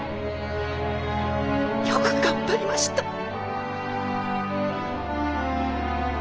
よく頑張りました。